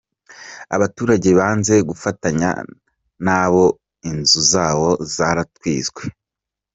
Abaturage banze gufatanya na bo inzu zabo zaratwitswe.